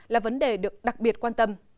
là vấn đề được đặc biệt quan tâm